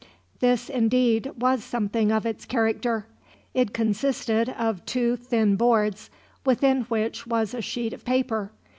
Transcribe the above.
This, indeed, was something of its character. It consisted of two thin boards, within which was a sheet of paper.